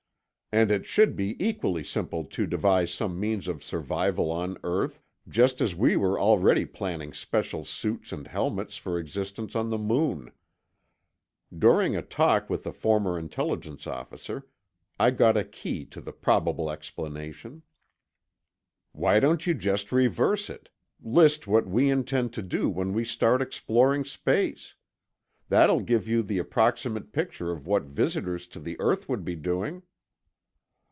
And it should be equally simple to devise some means of survival on earth, just as we were already planning special suits and helmets for existence on the moon. During a talk with a former Intelligence officer, I got a key to the probable explanation. "Why don't you just reverse it—list what we intend to do when we start exploring space? That'll give you the approximate picture of what visitors to the earth would be doing."